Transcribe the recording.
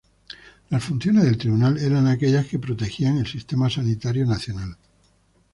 Las funciones del Tribunal eran aquellas que protegían el sistema sanitario nacional.